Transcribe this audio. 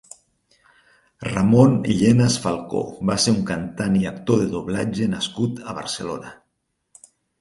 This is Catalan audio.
Ramón Llenas Falcó va ser un cantant i actor de doblatge nascut a Barcelona.